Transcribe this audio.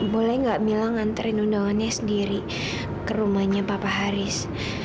boleh nggak mila nganterin undangannya sendiri ke rumahnya papa haris